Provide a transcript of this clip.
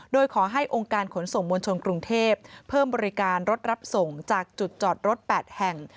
โดยขอให้องค์การขนส่งมวลชนกรุงเทพเพิ่มบริการรถรับส่งจากจุดจอดรถ๘แห่ง